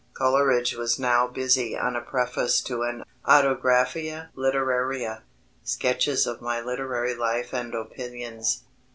Coleridge was now busy on a preface to an Autobiographia Literaria, sketches of my literary Life and Opinions.